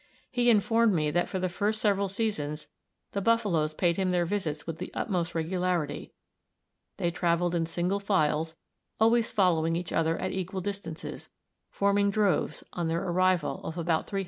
He informed me that for the first several seasons the buffaloes paid him their visits with the utmost regularity; they traveled in single files, always following each other at equal distances, forming droves, on their arrival, of about 300 each.